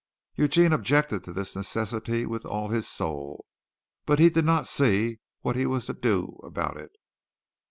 Eugene objected to this necessity with all his soul, but he did not see what he was to do about it.